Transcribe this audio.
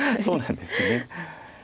そうなんですね。